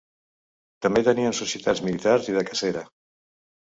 També tenien societats militars i de cacera.